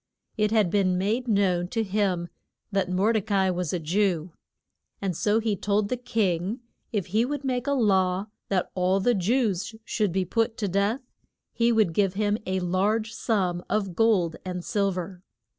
It had been made known to him that Mor de ca i was a Jew. And so he told the king if he would make a law that all the Jews should be put to death, he would give him a large sum of gold and sil ver.